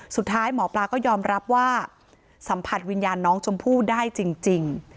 สุดท้ายหมอปลาก็ยอมรับว่าสัมผัสวิญญาณน้องชมพู่ได้จริง